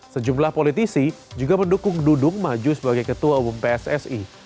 sejumlah politisi juga mendukung dudung maju sebagai ketua umum pssi